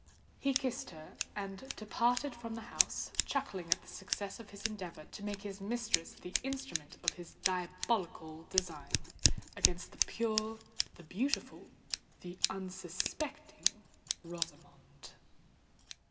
He kissed her, and departed from the house, chuckling at the success of his endeavour to make his mistress the instrument of his diabolical design against the pure—the beautiful—the unsuspecting Rosamond.